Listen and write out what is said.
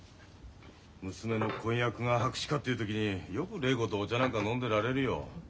娘の婚約が白紙かっていう時によく礼子とお茶なんか飲んでられるよ。